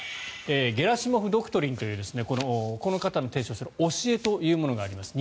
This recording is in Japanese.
ゲラシモフ・ドクトリンというこの方の提唱する教えというものがあります。